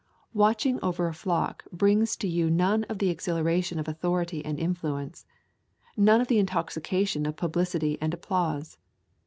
Watching over a flock brings to you none of the exhilaration of authority and influence, none of the intoxication of publicity and applause.